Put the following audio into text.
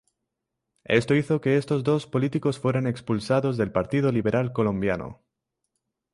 Esto hizo que estos dos políticos fueran expulsados del Partido Liberal Colombiano.